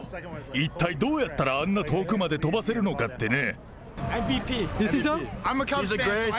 一体どうやったらあんな遠くまで飛ばせるのかってね。